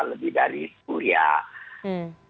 lebih dari kuliah